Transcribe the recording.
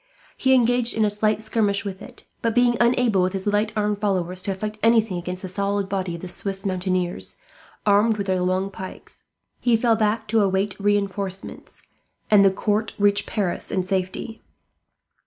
He engaged in a slight skirmish with it; but being unable, with his lightly armed followers, to effect anything against the solid body of the Swiss mountaineers, armed with their long pikes, he fell back to await reinforcements; and the court reached Paris in safety.